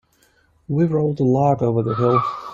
We rolled the log over the hill.